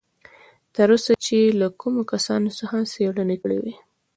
تر اوسه چې یې له کومو کسانو څخه څېړنې کړې وې.